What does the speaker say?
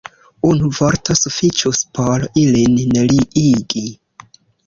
Unu vorto sufiĉus por ilin neniigi.